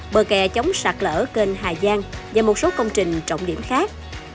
bờ kè chống sạt lỡ kênh hà giang và một số công trình trọng điểm khác